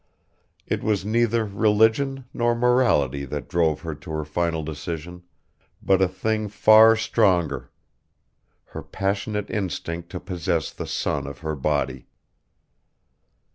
It was neither religion nor morality that drove her to her final decision, but a thing far stronger: her passionate instinct to possess the son of her body.